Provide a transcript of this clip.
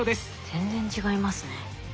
全然違いますね。